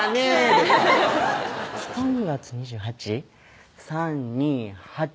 でした３月２８３２８